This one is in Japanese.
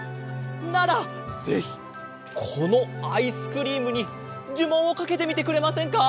ならぜひこのアイスクリームにじゅもんをかけてみてくれませんか？